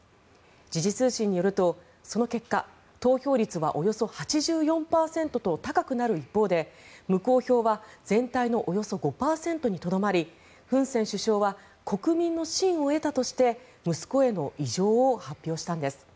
時事通信によるとその結果、投票率はおよそ８４％と高くなる一方で無効票は全体のおよそ５％にとどまりフン・セン首相は国民の信を得たとして息子への委譲を発表したんです。